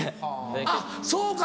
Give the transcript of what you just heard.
あっそうか